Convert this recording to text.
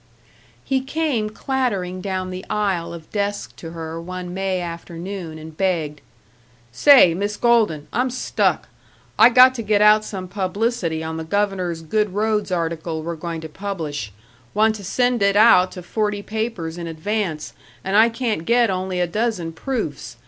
§ 5 He came clattering down the aisle of desks to her one May afternoon, and begged, "Say, Miss Golden, I'm stuck. I got to get out some publicity on the Governor's good roads article we're going to publish; want to send it out to forty papers in advance, and I can't get only a dozen proofs.